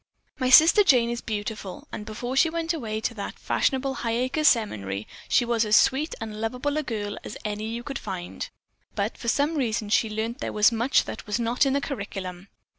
My sister Jane is beautiful, and before she went away to that fashionable Highacres Seminary she was as sweet and lovable a girl as any you could find, but for some reason she learned there much that was not in the curriculum.